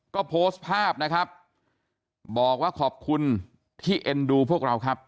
ก็โพสต์ภาพนะครับบอกว่าขอบคุณที่เอ็นดูพวกเราครับ